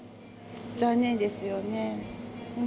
残念ですよね。